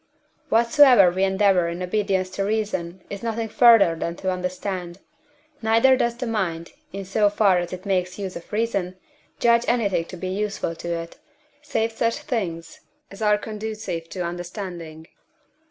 Whatsoever we endeavour in obedience to reason is nothing further than to understand; neither does the mind, in so far as it makes use of reason, judge anything to be useful to it, save such things as are conducive to understanding.